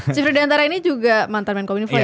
chief rudy antara ini juga mantan menko info ya